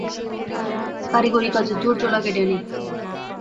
কারিগরি কাজে ধৈর্য লাগে, ড্যানি।